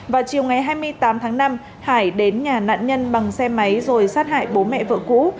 vào chiều ngày hai mươi tám tháng năm hải đến nhà nạn nhân bằng xe máy rồi sát hại bố mẹ vợ cũ